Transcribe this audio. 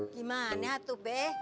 gimana tuh be